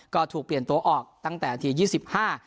ก็ถูกเปลี่ยนตัวออกตั้งแต่นาทียี่สิบห้า